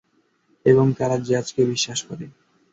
এবং তারা জ্যাজকে বিশ্বাস করে।